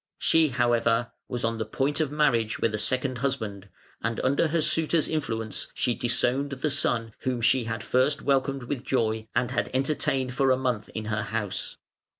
She, however, was on the point of marriage with a second husband, and under her suitor's influence she disowned the son whom she had at first welcomed with joy and had entertained for a month in her house.